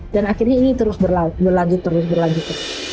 dan akhirnya ini terus berlanjut terus berlanjut